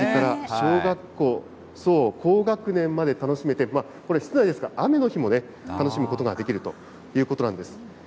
小学校そう、高学年まで楽しめて、これ、室内ですから雨の日も楽しむことができるということなんです。